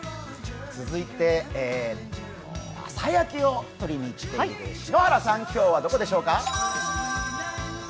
続いて、朝焼けを取りに行っている篠原さん、今日はどこでしょうか。